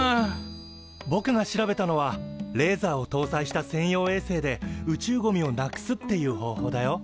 ぼくが調べたのはレーザーをとうさいした専用衛星で宇宙ゴミをなくすっていう方法だよ。